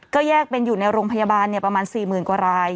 ก็แยกเป็นอยู่ในโรงพยาบาลประมาณ๔๐๐๐กว่าราย